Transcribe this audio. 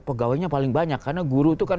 pegawainya paling banyak karena guru itu kan